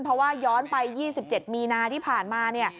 เพราะว่าย้อนไป๒๗มีนาที่ผ่านมาเนี่ย